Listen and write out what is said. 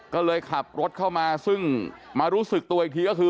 ก็เลยขับรถเข้ามาซึ่งมารู้สึกตัวอีกทีก็คือ